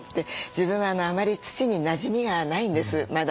自分はあまり土になじみがないんですまだ。